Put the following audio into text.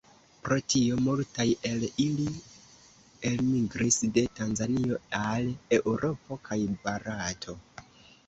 Pro tio multaj el ili elmigris de Tanzanio al Eŭropo kaj Barato.